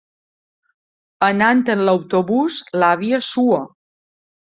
Anant amb l'autobús, l'àvia sua.